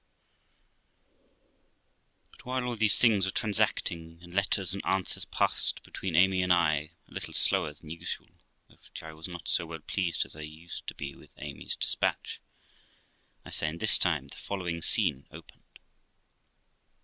But while all these things were transacting, and letters and answers passed between Amy and I, a little slower than usual, at which I was not so well pleased as I used to be with Amy's despatch I say, in this time the following scene opened.